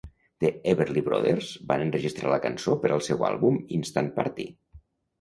The Everly Brothers van enregistrar la cançó per al seu àlbum "Instant Party!".